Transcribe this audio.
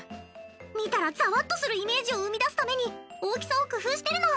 見たらざわっとするイメージを生み出すために大きさを工夫してるの。